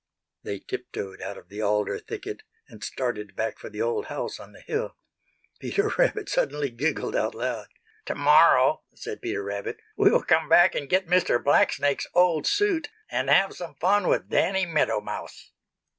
They tiptoed out of the alder thicket and started back for the old house on the hill. Peter Rabbit suddenly giggled out loud. "To morrow," said Peter Rabbit "we'll come back and get Mr. Blacksnake's old suit and have some fun with Danny Meadow Mouse."